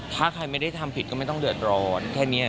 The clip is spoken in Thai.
ถ้าใครไม่ได้ทำผิดก็ไม่ต้องเดือดร้อนแค่นี้